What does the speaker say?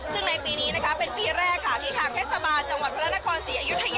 ซึ่งในปีนี้นะคะเป็นปีแรกค่ะที่ทางเทศบาลจังหวัดพระนครศรีอยุธยา